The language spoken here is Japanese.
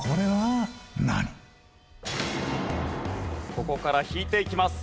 ここから引いていきます。